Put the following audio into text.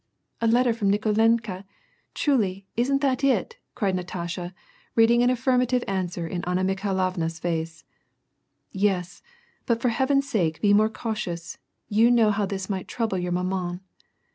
"A letter from Nikolenka? Truly, isn't that it?" cried l^atasha, reading an affirmative answer in Anna Mikhailovna's &ce. ''Yes, but for heaven's sake be more cautious; you know how this might trouble your rnaman.